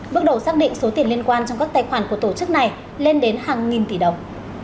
bước đầu xác định số tiền liên quan trong các tài khoản của tổ chức này lên đến hàng nghìn tỷ đồng